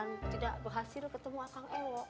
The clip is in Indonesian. maaf pak maaf pak